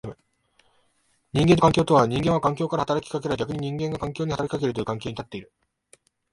人間と環境とは、人間は環境から働きかけられ逆に人間が環境に働きかけるという関係に立っている。